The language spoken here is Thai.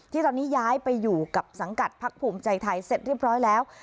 ที่ตอนนี้ย้ายไปอยู่กับสังกัดพักภูมิใจไทยเสร็จเรียบร้อยแล้ว